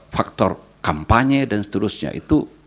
faktor kampanye dan seterusnya itu